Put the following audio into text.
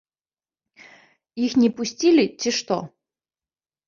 Іх не пусцілі ці што?